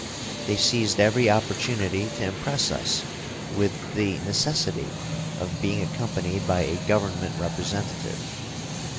They seized every opportunity to impress us with the necessity of being accompanied by a government representative.